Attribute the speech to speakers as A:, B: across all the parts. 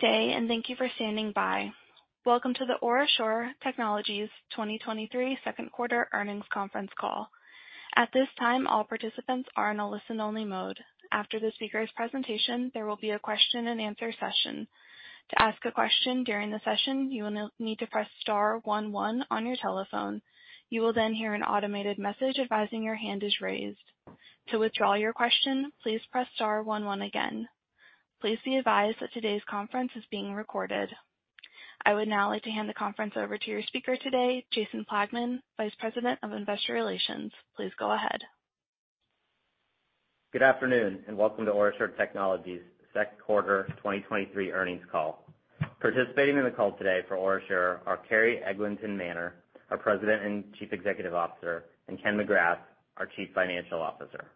A: Good day, thank you for standing by. Welcome to the OraSure Technologies 2023 second quarter earnings conference call. At this time, all participants are in a listen-only mode. After the speaker's presentation, there will be a question-and-answer session. To ask a question during the session, you will need to press star one one on your telephone. You will hear an automated message advising your hand is raised. To withdraw your question, please press star one one again. Please be advised that today's conference is being recorded. I would now like to hand the conference over to your speaker today, Jason Plagman, Vice President of Investor Relations. Please go ahead.
B: Good afternoon, welcome to OraSure Technologies' second quarter 2023 earnings call. Participating in the call today for OraSure are Carrie Eglinton Manner, our President and Chief Executive Officer, and Ken McGrath, our Chief Financial Officer.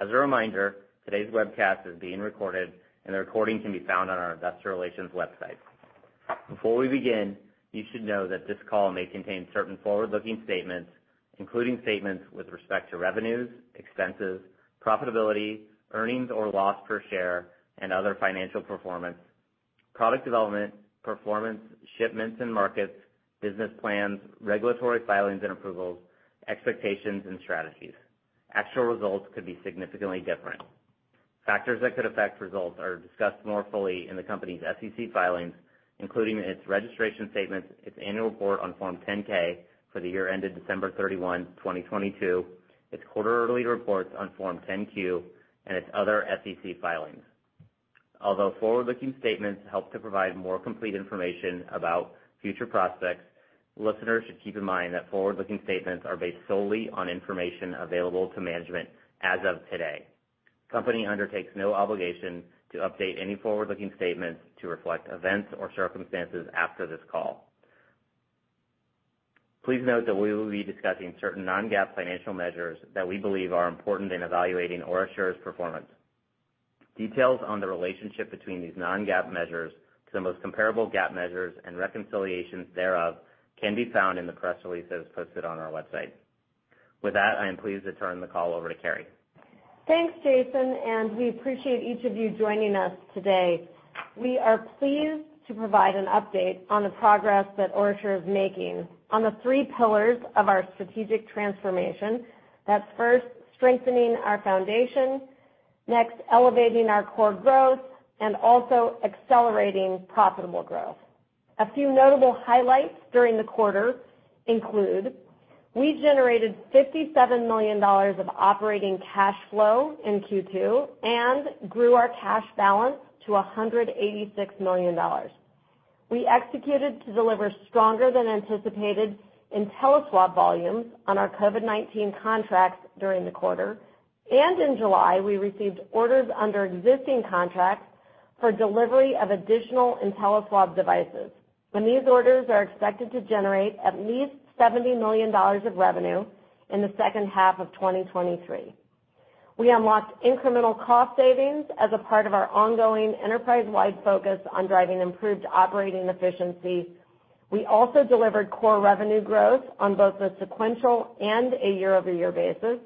B: As a reminder, today's webcast is being recorded, and the recording can be found on our investor relations website. Before we begin, you should know that this call may contain certain forward-looking statements, including statements with respect to revenues, expenses, profitability, earnings, or loss per share and other financial performance, product development, performance, shipments and markets, business plans, regulatory filings and approvals, expectations and strategies. Actual results could be significantly different. Factors that could affect results are discussed more fully in the company's SEC filings, including its registration statements, its annual report on Form 10-K for the year ended December 31, 2022, its quarterly reports on Form 10-Q, and its other SEC filings. Although forward-looking statements help to provide more complete information about future prospects, listeners should keep in mind that forward-looking statements are based solely on information available to management as of today. The company undertakes no obligation to update any forward-looking statements to reflect events or circumstances after this call. Please note that we will be discussing certain non-GAAP financial measures that we believe are important in evaluating OraSure's performance. Details on the relationship between these non-GAAP measures to the most comparable GAAP measures and reconciliations thereof can be found in the press releases posted on our website. With that, I am pleased to turn the call over to Carrie.
C: Thanks, Jason. We appreciate each of you joining us today. We are pleased to provide an update on the progress that OraSure is making on the three pillars of our strategic transformation. That's first, strengthening our foundation, next, elevating our core growth, and also accelerating profitable growth. A few notable highlights during the quarter include: We generated $57 million of operating cash flow in Q2 and grew our cash balance to $186 million. We executed to deliver stronger than anticipated InteliSwab volumes on our COVID-19 contracts during the quarter. In July, we received orders under existing contracts for delivery of additional InteliSwab devices, and these orders are expected to generate at least $70 million of revenue in the second half of 2023. We unlocked incremental cost savings as a part of our ongoing enterprise-wide focus on driving improved operating efficiency. We also delivered core revenue growth on both a sequential and a year-over-year basis.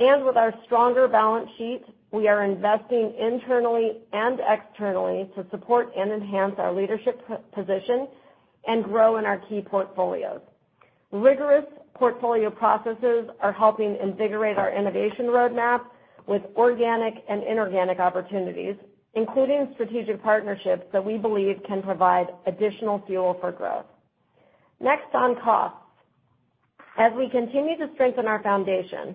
C: With our stronger balance sheet, we are investing internally and externally to support and enhance our leadership position and grow in our key portfolios. Rigorous portfolio processes are helping invigorate our innovation roadmap with organic and inorganic opportunities, including strategic partnerships that we believe can provide additional fuel for growth. Next, on costs. As we continue to strengthen our foundation,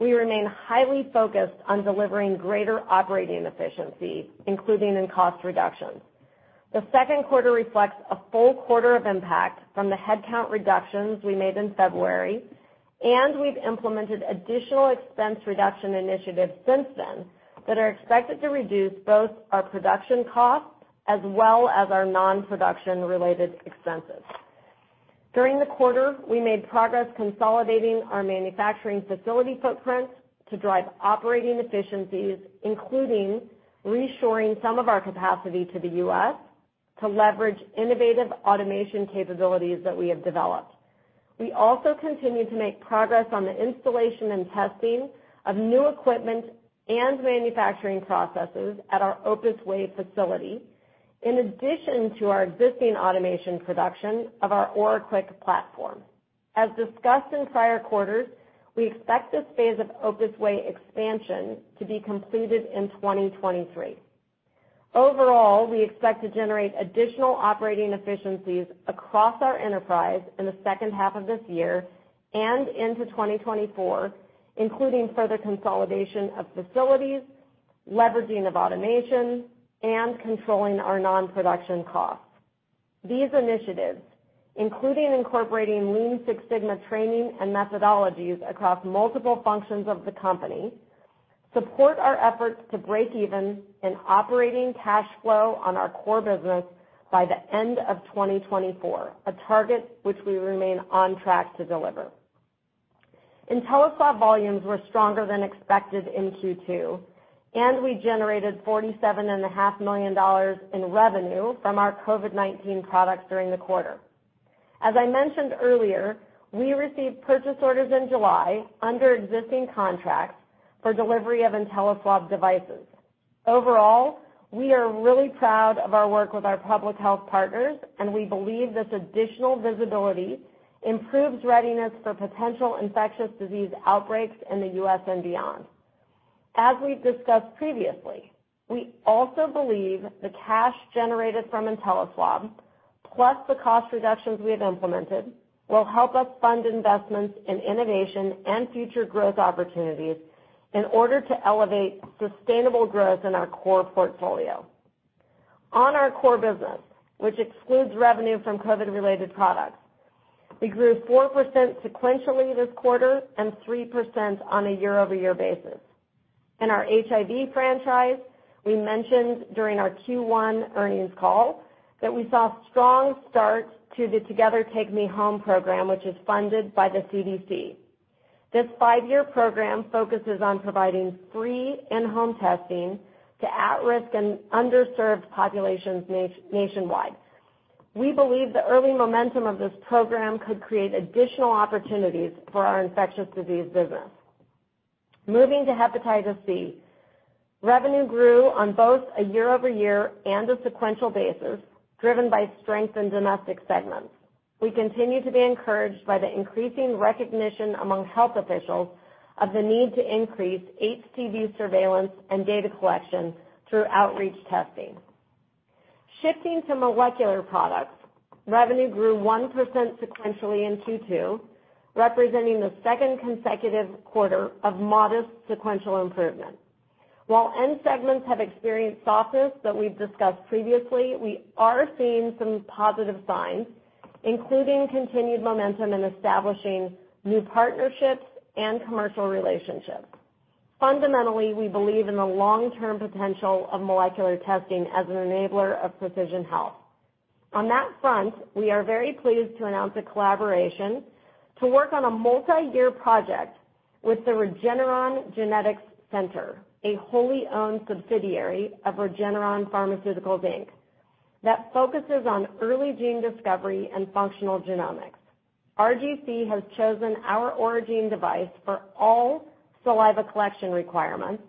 C: we remain highly focused on delivering greater operating efficiency, including in cost reductions. The second quarter reflects a full quarter of impact from the headcount reductions we made in February, and we've implemented additional expense reduction initiatives since then that are expected to reduce both our production costs as well as our non-production-related expenses. During the quarter, we made progress consolidating our manufacturing facility footprints to drive operating efficiencies, including reshoring some of our capacity to the U.S. to leverage innovative automation capabilities that we have developed. We also continued to make progress on the installation and testing of new equipment and manufacturing processes at our Opus Way facility, in addition to our existing automation production of our OraQuick platform. As discussed in prior quarters, we expect this phase of Opus Way expansion to be completed in 2023. Overall, we expect to generate additional operating efficiencies across our enterprise in the second half of this year and into 2024, including further consolidation of facilities, leveraging of automation, and controlling our non-production costs. These initiatives, including incorporating Lean Six Sigma training and methodologies across multiple functions of the company, support our efforts to break even in operating cash flow on our core business by the end of 2024, a target which we remain on track to deliver. InteliSwab volumes were stronger than expected in Q2, and we generated $47.5 million in revenue from our COVID-19 products during the quarter. As I mentioned earlier, we received purchase orders in July under existing contracts for delivery of InteliSwab devices. Overall, we are really proud of our work with our public health partners, and we believe this additional visibility improves readiness for potential infectious disease outbreaks in the U.S. and beyond. As we've discussed previously, we also believe the cash generated from InteliSwab, plus the cost reductions we have implemented, will help us fund investments in innovation and future growth opportunities in order to elevate sustainable growth in our core portfolio. Our core business, which excludes revenue from COVID-related products, we grew 4% sequentially this quarter and 3% on a year-over-year basis. In our HIV franchise, we mentioned during our Q1 earnings call that we saw a strong start to the Together TakeMeHome program, which is funded by the CDC. This 5-year program focuses on providing free in-home testing to at-risk and underserved populations nationwide. We believe the early momentum of this program could create additional opportunities for our infectious disease business. Moving to hepatitis C, revenue grew on both a year-over-year and a sequential basis, driven by strength in domestic segments. We continue to be encouraged by the increasing recognition among health officials of the need to increase HCV surveillance and data collection through outreach testing. Shifting to molecular products, revenue grew 1% sequentially in Q2, representing the second consecutive quarter of modest sequential improvement. While end segments have experienced softness that we've discussed previously, we are seeing some positive signs, including continued momentum in establishing new partnerships and commercial relationships. Fundamentally, we believe in the long-term potential of molecular testing as an enabler of precision health. On that front, we are very pleased to announce a collaboration to work on a multiyear project with the Regeneron Genetics Center, a wholly owned subsidiary of Regeneron Pharmaceuticals, Inc, that focuses on early gene discovery and functional genomics. RGC has chosen our Oragene·Dx device for all saliva collection requirements,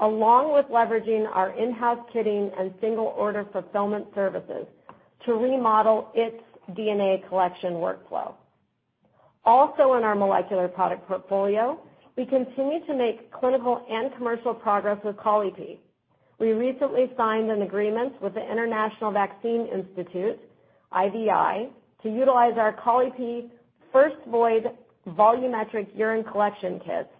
C: along with leveraging our in-house kitting and single order fulfillment services to remodel its DNA collection workflow. In our molecular product portfolio, we continue to make clinical and commercial progress with Colli-Pee. We recently signed an agreement with the International Vaccine Institute, IVI, to utilize our Colli-Pee first-void volumetric urine collection kits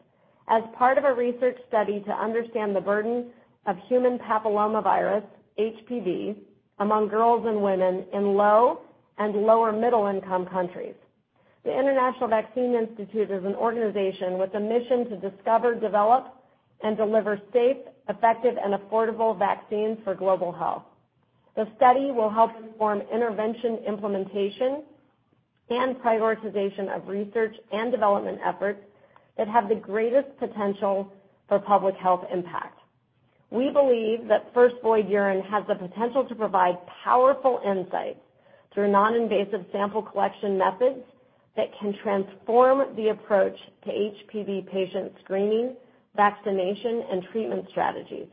C: as part of a research study to understand the burden of human papillomavirus, HPV, among girls and women in low and lower-middle-income countries. The International Vaccine Institute is an organization with a mission to discover, develop, and deliver safe, effective, and affordable vaccines for global health. The study will help form intervention, implementation, and prioritization of research and development efforts that have the greatest potential for public health impact. We believe that first-void urine has the potential to provide powerful insights through non-invasive sample collection methods that can transform the approach to HPV patient screening, vaccination, and treatment strategies,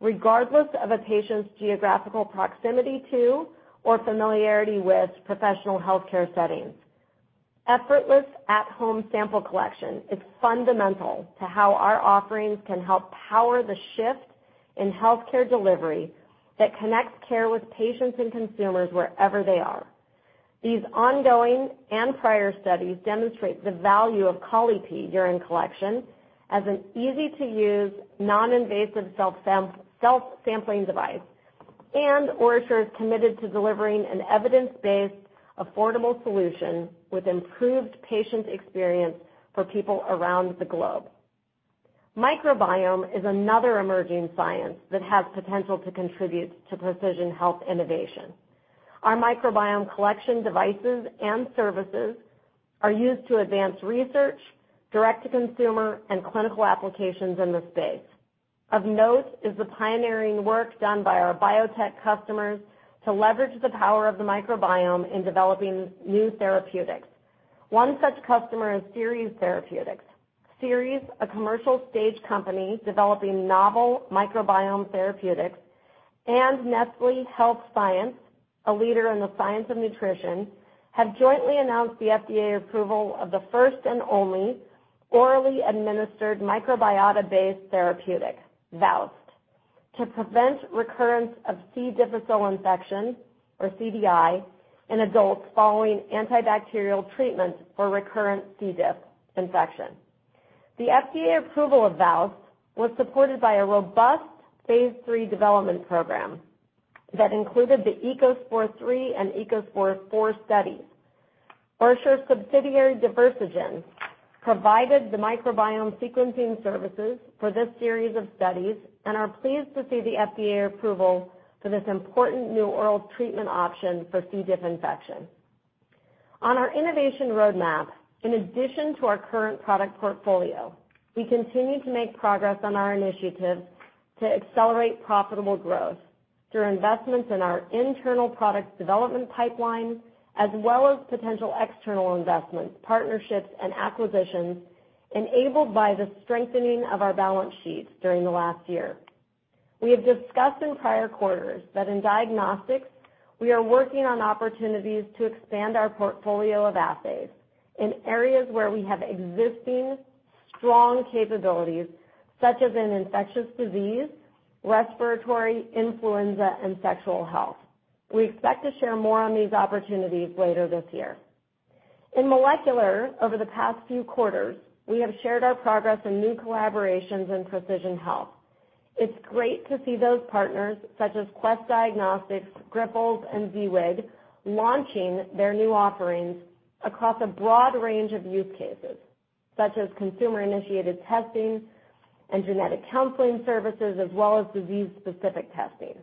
C: regardless of a patient's geographical proximity to or familiarity with professional healthcare settings. Effortless at-home sample collection is fundamental to how our offerings can help power the shift in healthcare delivery that connects care with patients and consumers wherever they are. These ongoing and prior studies demonstrate the value of Colli-Pee urine collection as an easy-to-use, non-invasive self-sampling device, and OraSure is committed to delivering an evidence-based, affordable solution with improved patient experience for people around the globe. Microbiome is another emerging science that has potential to contribute to precision health innovation. Our microbiome collection devices and services are used to advance research, direct-to-consumer, and clinical applications in the space. Of note is the pioneering work done by our biotech customers to leverage the power of the microbiome in developing new therapeutics. One such customer is Seres Therapeutics. Seres, a commercial-stage company developing novel microbiome therapeutics, and Nestlé Health Science, a leader in the science of nutrition, have jointly announced the FDA approval of the first and only orally administered microbiota-based therapeutic, VOWST, to prevent recurrence of C. difficile infection, or CDI, in adults following antibacterial treatment for recurrent C. difficile infection. The FDA approval of VOWST was supported by a robust phase III development program that included the ECOSPOR III and ECOSPOR IV studies. OraSure's subsidiary, Diversigen, provided the microbiome sequencing services for this series of studies and are pleased to see the FDA approval for this important new oral treatment option for C. difficile infection. On our innovation roadmap, in addition to our current product portfolio, we continue to make progress on our initiatives to accelerate profitable growth.... through investments in our internal product development pipeline, as well as potential external investments, partnerships, and acquisitions, enabled by the strengthening of our balance sheet during the last year. We have discussed in prior quarters that in diagnostics, we are working on opportunities to expand our portfolio of assays in areas where we have existing strong capabilities, such as in infectious disease, respiratory, influenza, and sexual health. We expect to share more on these opportunities later this year. In molecular, over the past few quarters, we have shared our progress in new collaborations in precision health. It's great to see those partners, such as Quest Diagnostics, Grifols, and VWGS, launching their new offerings across a broad range of use cases, such as consumer-initiated testing and genetic counseling services, as well as disease-specific testing.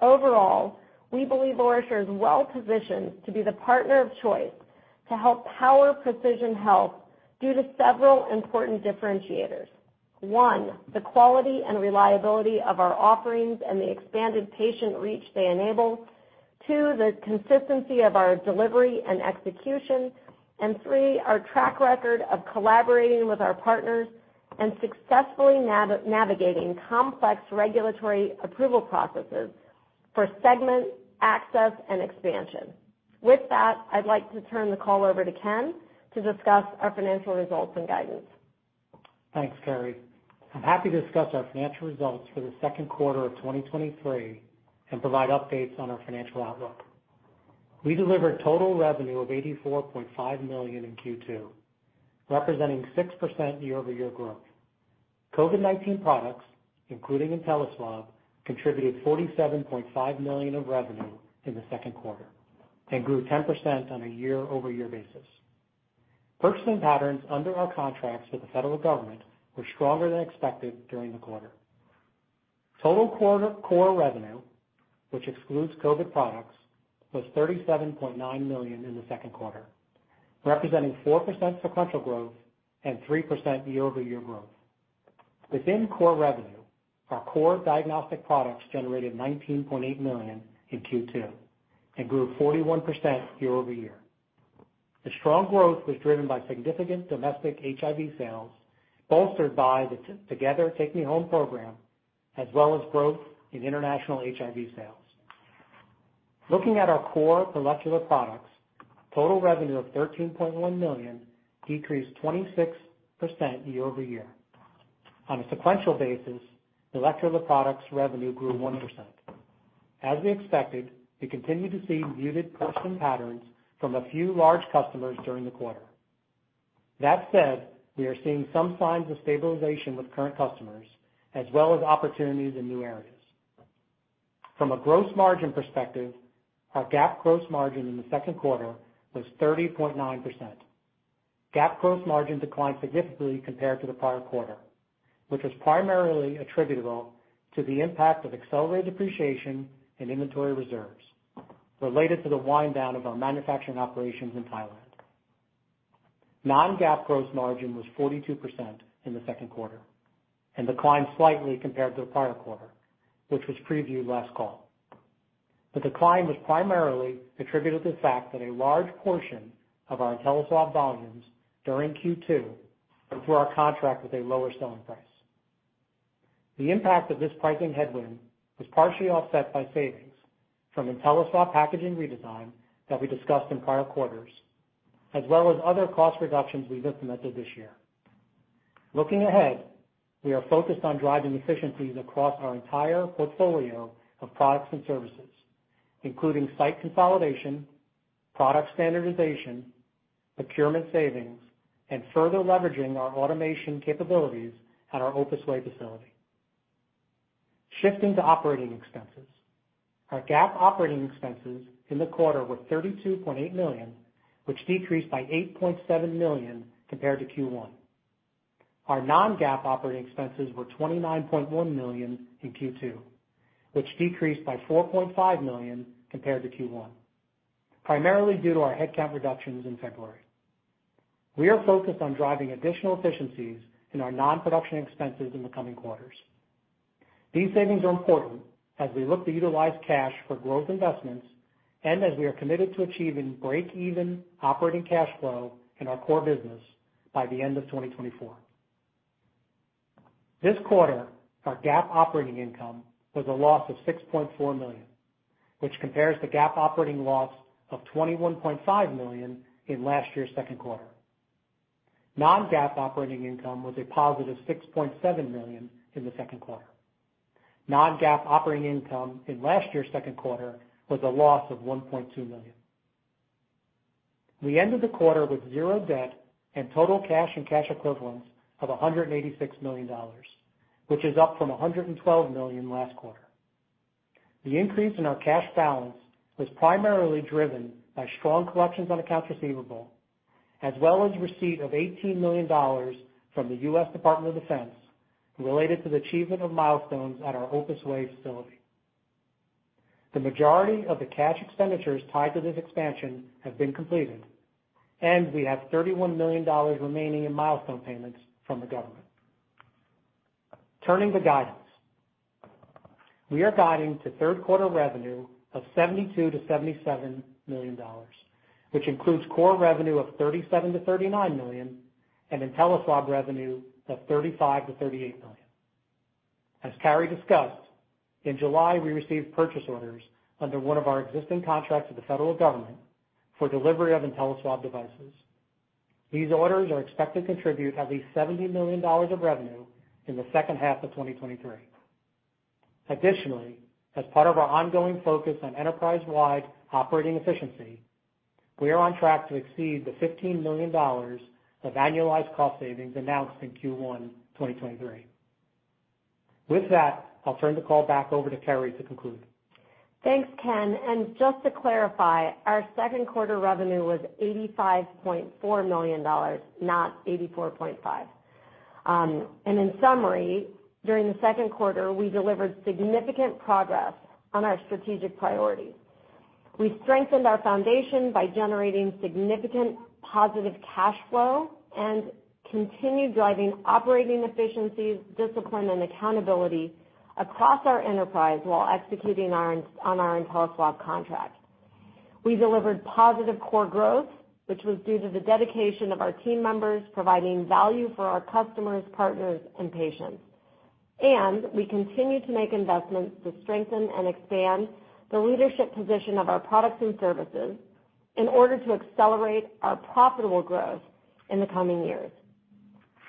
C: Overall, we believe OraSure is well-positioned to be the partner of choice to help power precision health due to several important differentiators. One, the quality and reliability of our offerings and the expanded patient reach they enable. Two, the consistency of our delivery and execution. And three, our track record of collaborating with our partners and successfully navigating complex regulatory approval processes for segment, access, and expansion. With that, I'd like to turn the call over to Ken to discuss our financial results and guidance.
D: Thanks, Carrie. I'm happy to discuss our financial results for the second quarter of 2023 and provide updates on our financial outlook. We delivered total revenue of $84.5 million in Q2, representing 6% year-over-year growth. COVID-19 products, including InteliSwab, contributed $47.5 million of revenue in the second quarter and grew 10% on a year-over-year basis. Purchasing patterns under our contracts with the federal government were stronger than expected during the quarter. Total quarter core revenue, which excludes COVID products, was $37.9 million in the second quarter, representing 4% sequential growth and 3% year-over-year growth. Within core revenue, our core diagnostic products generated $19.8 million in Q2 and grew 41% year-over-year. The strong growth was driven by significant domestic HIV sales, bolstered by the Together TakeMeHome program, as well as growth in international HIV sales. Looking at our core molecular products, total revenue of $13.1 million decreased 26% year-over-year. On a sequential basis, molecular products revenue grew 1%. As we expected, we continued to see muted purchasing patterns from a few large customers during the quarter. That said, we are seeing some signs of stabilization with current customers, as well as opportunities in new areas. From a gross margin perspective, our GAAP gross margin in the second quarter was 30.9%. GAAP gross margin declined significantly compared to the prior quarter, which was primarily attributable to the impact of accelerated depreciation and inventory reserves related to the wind down of our manufacturing operations in Thailand. Non-GAAP gross margin was 42% in the second quarter and declined slightly compared to the prior quarter, which was previewed last call. The decline was primarily attributed to the fact that a large portion of our InteliSwab volumes during Q2 were through our contract with a lower selling price. The impact of this pricing headwind was partially offset by savings from InteliSwab packaging redesign that we discussed in prior quarters, as well as other cost reductions we've implemented this year. Looking ahead, we are focused on driving efficiencies across our entire portfolio of products and services, including site consolidation, product standardization, procurement savings, and further leveraging our automation capabilities at our Opus Way facility. Shifting to operating expenses. Our GAAP operating expenses in the quarter were $32.8 million, which decreased by $8.7 million compared to Q1. Our non-GAAP operating expenses were $29.1 million in Q2, which decreased by $4.5 million compared to Q1, primarily due to our headcount reductions in February. We are focused on driving additional efficiencies in our non-production expenses in the coming quarters. These savings are important as we look to utilize cash for growth investments and as we are committed to achieving break-even operating cash flow in our core business by the end of 2024. This quarter, our GAAP operating income was a loss of $6.4 million, which compares to GAAP operating loss of $21.5 million in last year's second quarter. Non-GAAP operating income was a positive $6.7 million in the second quarter. Non-GAAP operating income in last year's second quarter was a loss of $1.2 million. We ended the quarter with 0 debt and total cash and cash equivalents of $186 million, which is up from $112 million last quarter. The increase in our cash balance was primarily driven by strong collections on accounts receivable, as well as receipt of $18 million from the US Department of Defense related to the achievement of milestones at our Opus Way facility. The majority of the cash expenditures tied to this expansion have been completed. We have $31 million remaining in milestone payments from the government. Turning to guidance. We are guiding to third quarter revenue of $72 million-$77 million, which includes core revenue of $37 million-$39 million and InteliSwab revenue of $35 million-$38 million. As Carrie discussed, in July, we received purchase orders under one of our existing contracts with the federal government for delivery of InteliSwab devices. These orders are expected to contribute at least $70 million of revenue in the second half of 2023. Additionally, as part of our ongoing focus on enterprise-wide operating efficiency, we are on track to exceed the $15 million of annualized cost savings announced in Q1 2023. With that, I'll turn the call back over to Carrie to conclude.
C: Thanks, Ken. Just to clarify, our second quarter revenue was $85.4 million, not $84.5 million. In summary, during the second quarter, we delivered significant progress on our strategic priorities. We strengthened our foundation by generating significant positive cash flow and continued driving operating efficiencies, discipline and accountability across our enterprise while executing on our InteliSwab contract. We delivered positive core growth, which was due to the dedication of our team members, providing value for our customers, partners, and patients. We continue to make investments to strengthen and expand the leadership position of our products and services in order to accelerate our profitable growth in the coming years.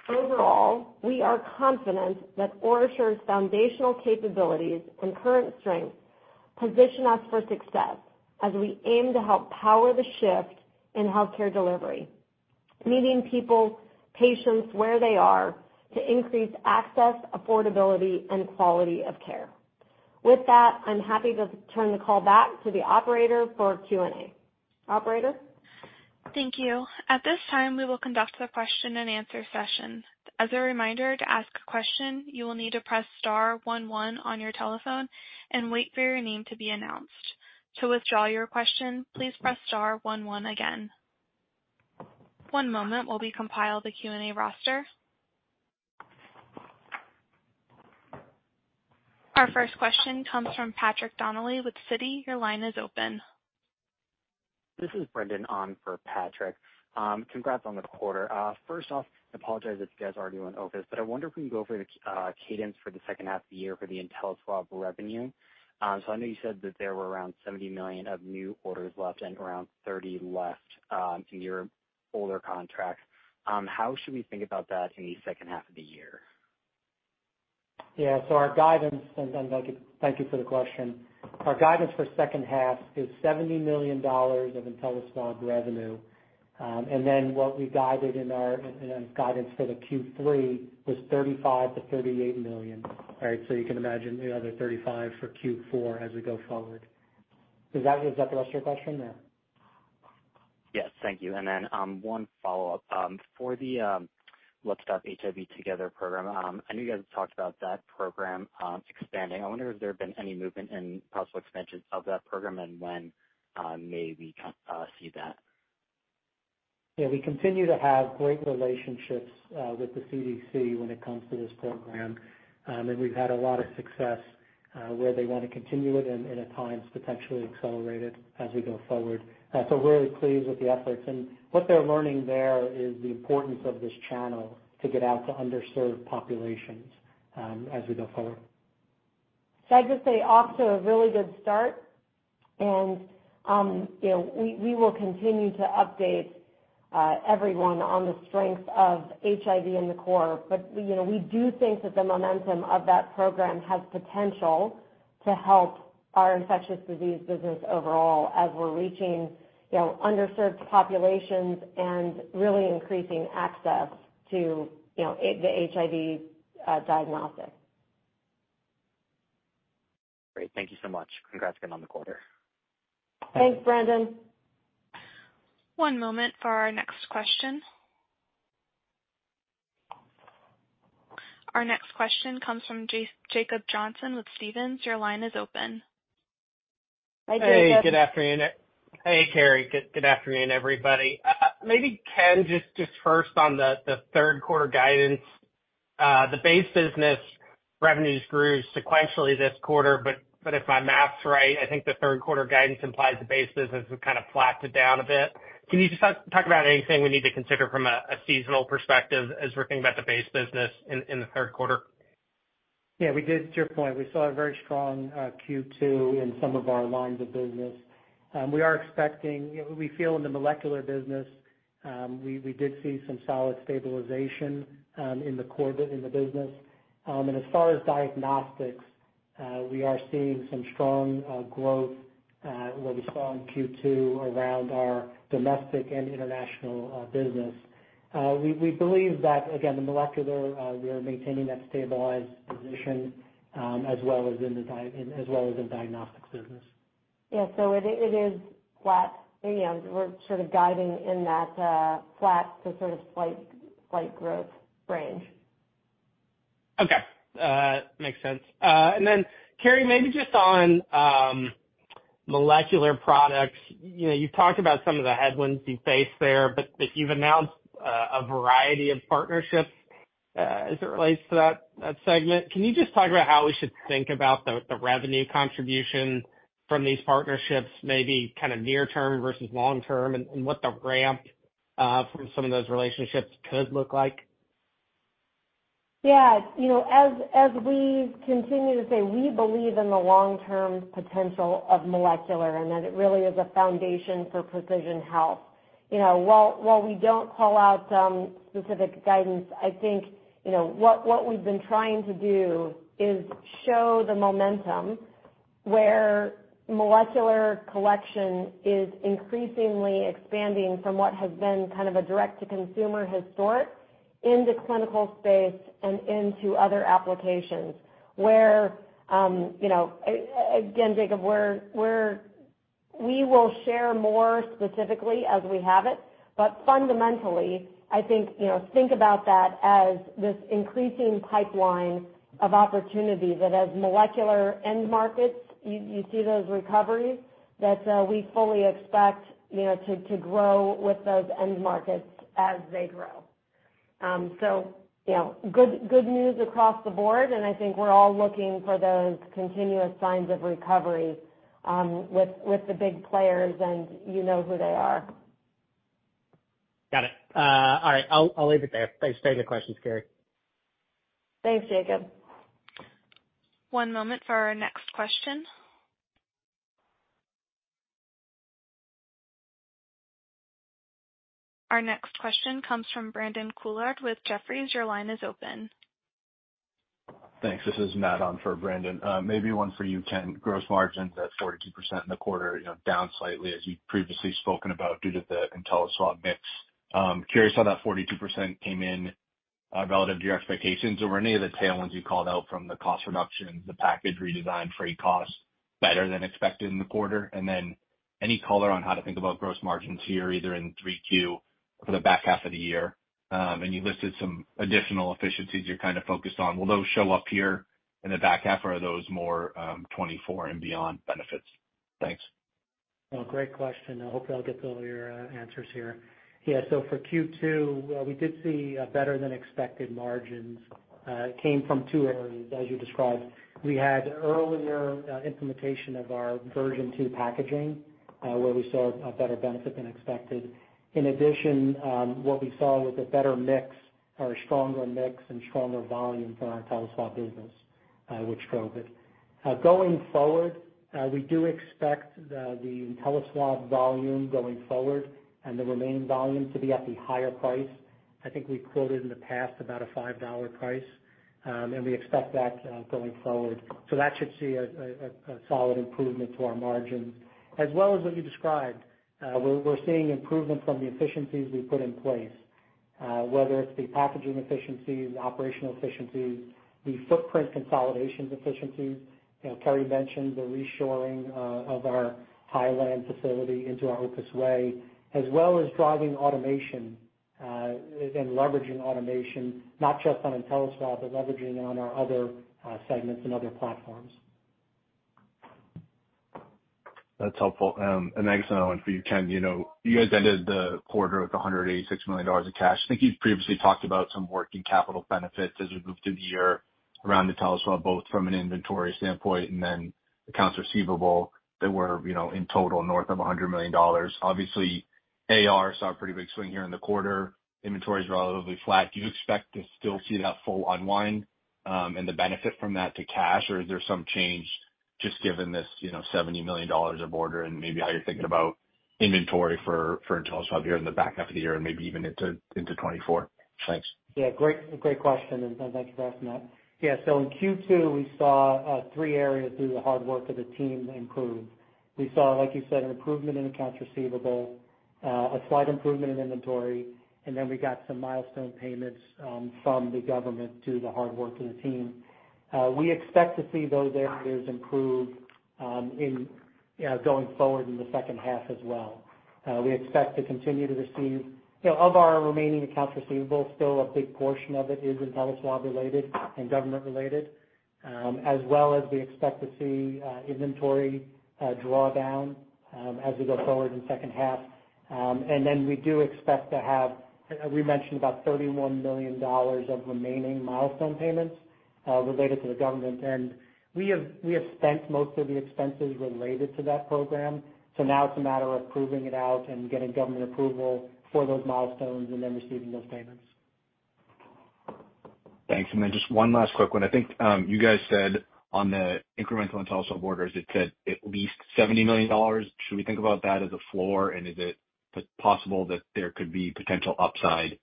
C: Overall, we are confident that OraSure's foundational capabilities and current strengths position us for success as we aim to help power the shift in healthcare delivery, meeting people, patients, where they are to increase access, affordability, and quality of care. With that, I'm happy to turn the call back to the operator for Q&A. Operator?
A: Thank you. At this time, we will conduct the question-and-answer session. As a reminder, to ask a question, you will need to press star one, one on your telephone and wait for your name to be announced. To withdraw your question, please press star one, one again. One moment while we compile the Q&A roster. Our first question comes from Patrick Donnelly with Citi. Your line is open.
E: This is Brendan on for Patrick. Congrats on the quarter. First off, I apologize if you guys already went over this, but I wonder if we can go over the cadence for the second half of the year for the InteliSwab revenue. So I know you said that there were around $70 million of new orders left and around 30 left in your older contract. How should we think about that in the second half of the year?
D: Our guidance, and thank you, thank you for the question. Our guidance for second half is $70 million of InteliSwab revenue. What we guided in our guidance for the Q3 was $35 million-$38 million, right? You can imagine the other $35 million for Q4 as we go forward. Does that answer the rest of your question, or no?
E: Yes, thank you. Then, one follow-up. For the Let's Stop HIV Together program, I know you guys have talked about that program expanding. I wonder if there have been any movement in possible expansions of that program and when may we see that?
D: Yeah, we continue to have great relationships with the CDC when it comes to this program. We've had a lot of success where they want to continue it and, and at times potentially accelerate it as we go forward. We're really pleased with the efforts. What they're learning there is the importance of this channel to get out to underserved populations as we go forward.
C: I'd just say off to a really good start. You know, we, we will continue to update everyone on the strength of HIV in the core. You know, we do think that the momentum of that program has potential to help our infectious disease business overall as we're reaching, you know, underserved populations and really increasing access to, you know, the HIV diagnostic.
E: Great. Thank you so much. Congrats again on the quarter.
C: Thanks, Brendan.
A: One moment for our next question. Our next question comes from Jacob Johnson with Stephens. Your line is open.
C: Hi, Jacob.
F: Hey, good afternoon. Hey, Carrie. Good afternoon, everybody. Maybe, Ken, just first on the third quarter guidance. The base business revenues grew sequentially this quarter, but if my math's right, I think the third quarter guidance implies the base business has kind of flatted down a bit. Can you just talk about anything we need to consider from a seasonal perspective as we're thinking about the base business in the third quarter?
D: Yeah, we did. To your point, we saw a very strong Q2 in some of our lines of business. We are expecting, you know, we feel in the molecular business, we did see some solid stabilization in the core in the business. As far as diagnostics, we are seeing some strong growth what we saw in Q2 around our domestic and international business. We, we believe that, again, the molecular, we are maintaining that stabilized position as well as in the diagnostics business.
C: Yeah, it, it is flat. You know, we're sort of guiding in that, flat to sort of slight, slight growth range....
F: Okay, makes sense. Then Carrie, maybe just on molecular products. You know, you've talked about some of the headwinds you face there, but you've announced a variety of partnerships as it relates to that segment. Can you just talk about how we should think about the revenue contribution from these partnerships, maybe kind of near term versus long term, and what the ramp from some of those relationships could look like?
C: Yeah, you know, as, as we continue to say, we believe in the long-term potential of molecular, and that it really is a foundation for precision health. You know, while, while we don't call out, specific guidance, I think, you know, what, what we've been trying to do is show the momentum, where molecular collection is increasingly expanding from what has been kind of a direct-to-consumer historic into clinical space and into other applications. Where, you know, again, Jacob, we will share more specifically as we have it. Fundamentally, I think, you know, think about that as this increasing pipeline of opportunities that as molecular end markets, you, you see those recoveries that, we fully expect, you know, to, to grow with those end markets as they grow. You know, good, good news across the board. I think we're all looking for those continuous signs of recovery, with, with the big players. You know who they are.
F: Got it. All right, I'll, I'll leave it there. Thanks. Very good questions, Carrie.
C: Thanks, Jacob.
A: One moment for our next question. Our next question comes from Brandon Couillard with Jefferies. Your line is open.
G: Thanks. This is not on for Brandon. Maybe one for you, Ken. Gross margins at 42% in the quarter, you know, down slightly as you've previously spoken about, due to the InteliSwab mix. Curious how that 42% came in relative to your expectations, or were any of the tailwinds you called out from the cost reduction, the package redesign, freight costs, better than expected in the quarter? Any color on how to think about gross margins here, either in 3Q for the back half of the year. And you listed some additional efficiencies you're kind of focused on. Will those show up here in the back half, or are those more 2024 and beyond benefits? Thanks.
D: Well, great question, and hopefully I'll get all your answers here. Yeah, for Q2, we did see better than expected margins. It came from two areas, as you described. We had earlier implementation of our version two packaging, where we saw a better benefit than expected. In addition, what we saw was a better mix or a stronger mix and stronger volume for our InteliSwab business, which drove it. Going forward, we do expect the InteliSwab volume going forward and the remaining volume to be at the higher price. I think we quoted in the past about a $5 price, and we expect that going forward. That should see a solid improvement to our margin. As well as what you described, we're, we're seeing improvement from the efficiencies we put in place, whether it's the packaging efficiencies, the operational efficiencies, the footprint consolidation efficiencies. You know, Carrie mentioned the reshoring of our Thailand facility into our Opus Way, as well as driving automation and leveraging automation, not just on InteliSwab, but leveraging it on our other segments and other platforms.
G: That's helpful. Next, another one for you, Ken. You know, you guys ended the quarter with $186 million of cash. I think you've previously talked about some working capital benefits as we move through the year around InteliSwab, both from an inventory standpoint and then accounts receivable, that were, you know, in total, north of $100 million. Obviously, AR saw a pretty big swing here in the quarter. Inventories are relatively flat. Do you expect to still see that full unwind and the benefit from that to cash, or is there some change just given this, you know, $70 million of order and maybe how you're thinking about inventory for InteliSwab here in the back half of the year and maybe even into 2024? Thanks.
D: Great, great question, and thank you for asking that. In Q2, we saw three areas through the hard work of the team improve. We saw, like you said, an improvement in accounts receivable, a slight improvement in inventory, and then we got some milestone payments from the government to the hard work of the team. We expect to see those areas improve in going forward in the second half as well. We expect to continue to receive... You know, of our remaining accounts receivable, still a big portion of it is InteliSwab related and government related, as well as we expect to see inventory draw down as we go forward in the second half. We do expect to have, we mentioned about $31 million of remaining milestone payments related to the government, and we have spent most of the expenses related to that program. Now it's a matter of proving it out and getting government approval for those milestones and then receiving those payments.
E: Thanks. Then just one last quick one. I think, you guys said on the incremental InteliSwab orders, it said at least $70 million. Should we think about that as a floor, and is it possible that there could be potential upside,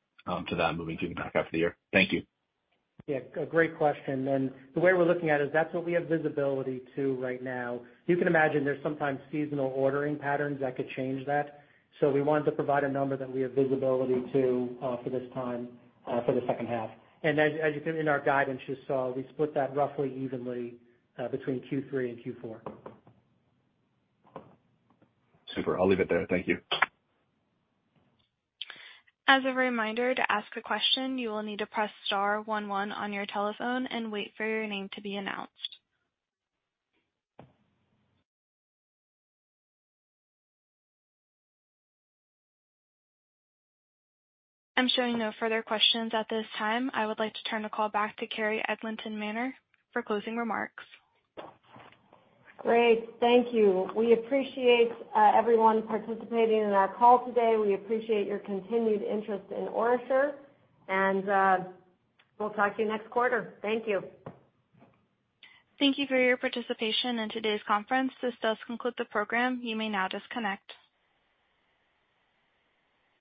E: to that moving to the back half of the year? Thank you.
D: Yeah, a great question, and the way we're looking at it is that's what we have visibility to right now. You can imagine there's sometimes seasonal ordering patterns that could change that. We wanted to provide a number that we have visibility to for this time for the second half. As, as you can in our guidance, you saw, we split that roughly evenly between Q3 and Q4.
E: Super. I'll leave it there. Thank you.
A: As a reminder, to ask a question, you will need to press star 11 on your telephone and wait for your name to be announced. I'm showing no further questions at this time. I would like to turn the call back to Carrie Eglinton Manner for closing remarks.
C: Great. Thank you. We appreciate everyone participating in our call today. We appreciate your continued interest in OraSure, and we'll talk to you next quarter. Thank you.
A: Thank you for your participation in today's conference. This does conclude the program. You may now disconnect.